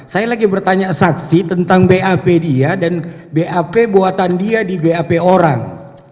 saya lagi bertanya saksi tentang bap dia dan bap buatan dia di bap orang